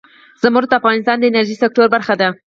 زمرد د افغانستان د انرژۍ سکتور برخه ده.